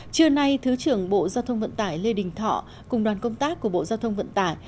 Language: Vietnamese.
trưa nay thứ trưởng bộ giao thông vận tải lê đình thọ cùng đoàn công tác của bộ giao thông vận tải